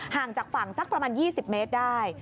ห่างจากฝั่งสักประมาณ๒๐เมตรได้